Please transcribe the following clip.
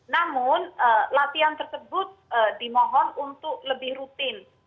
namun latihan tersebut dimohon untuk lebih rutin